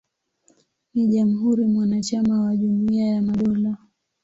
Ni jamhuri mwanachama wa Jumuiya ya Madola.